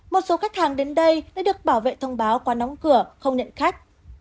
một số khách hàng đến đây đã được bảo vệ thông báo qua đóng cửa không nhận khách